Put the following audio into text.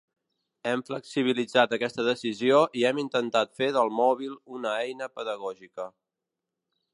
Hem flexibilitzat aquesta decisió i hem intentat fer del mòbil una eina pedagògica.